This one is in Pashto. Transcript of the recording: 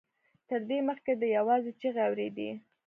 تر دې مخکې ده يوازې چيغې اورېدې.